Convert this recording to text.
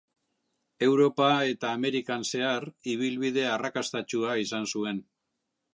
Europa eta Amerikan zehar ibilbide arrakastatsua izan zuen.